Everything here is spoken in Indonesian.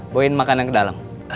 bawain makanan ke dalam